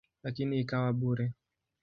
Lakini ikawa bure.